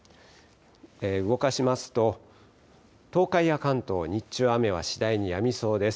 動かしますと、東海や関東、日中、雨は次第にやみそうです。